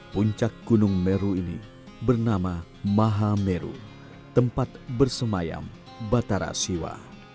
puncak gunung meru ini bernama maha meru tempat bersemayam batara siwa